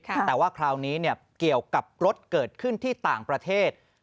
แต่ว่าคราวนี้เกี่ยวกับรถเกิดขึ้นที่ต่างประเทศ